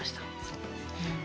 そうですね。